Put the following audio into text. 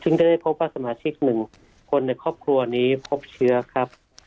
ซึ่งจะได้พบว่าสมาชิกหนึ่งคนในครอบครัวนี้พบเชื้อครับ